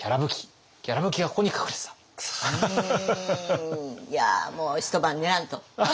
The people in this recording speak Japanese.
いやもう一晩練らんと。